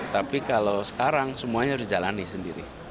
tapi kalau sekarang semuanya harus dijalani sendiri